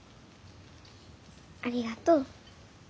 ありがとう。